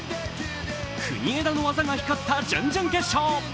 国枝の技が光った準々決勝。